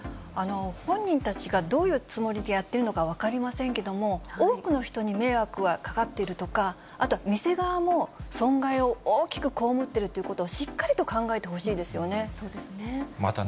本人たちがどういうつもりでやってるのか分かりませんけれども、多くの人に迷惑がかかっているとか、あとは店側も、損害を大きくこうむってるということをしっかりと考えてほしいでそうですね。